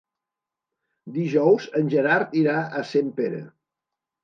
Dijous en Gerard irà a Sempere.